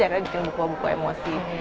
akhirnya bikin buku buku emosi